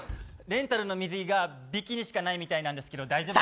レンタルの水着がビキニしかないみたいなんですけど大丈夫。